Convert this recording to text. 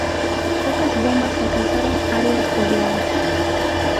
Pocas bombas alcanzaron áreas pobladas.